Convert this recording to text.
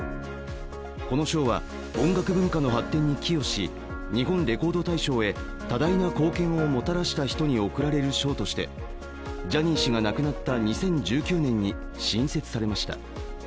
この賞は、音楽文化の発展に寄与し日本レコード大賞へ多大な貢献をもたらした人に贈られる賞としてジャニー氏が亡くなった２０１９年に新設されました。